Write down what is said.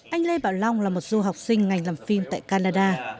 anh lê bảo long là một du học sinh ngành làm phim tại canada